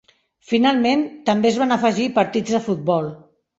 Finalment, també es van afegir partits de futbol.